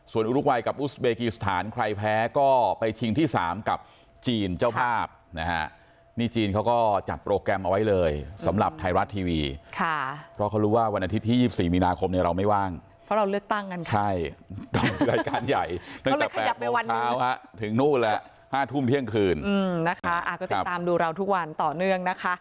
ส่วนอุรกวัยกับอุสเบกียสถานใครแพ้ก็ไปชิงที่สามกับจีนเจ้าภาพนะฮะนี่จีนเขาก็จัดโปรแกรมเอาไว้เลยสำหรับไทยรัฐทีวีค่ะเพราะเขารู้ว่าวันอาทิตย์ที่ยี่สิบสี่มีนาคมเนี่ยเราไม่ว่างเพราะเราเลือกตั้งกันใช่รายการใหญ่เขาเลยขยับไปวันนี้ตั้งแต่แปดโมงเช้าฮะถึงนู่นแล้วห้าทุ่มเท